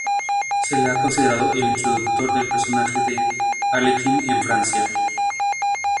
Se le ha considerado el introductor del personaje de Arlequín en Francia.